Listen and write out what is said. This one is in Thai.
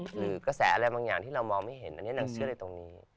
หรือกระแสอะไรบางอย่างที่เรามองไม่เห็นอันนี้นางเชื่อในตรงนี้